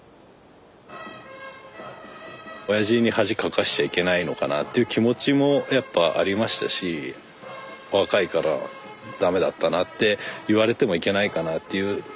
おやじに恥かかしちゃいけないのかなっていう気持ちもやっぱありましたし若いから駄目だったなって言われてもいけないかなっていう。